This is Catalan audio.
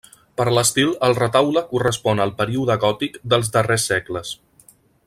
Per l'estil el retaule correspon al període gòtic dels darrers segles.